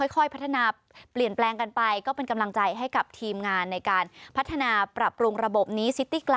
ค่อยพัฒนาเปลี่ยนแปลงกันไปก็เป็นกำลังใจให้กับทีมงานในการพัฒนาปรับปรุงระบบนี้ซิตี้กลับ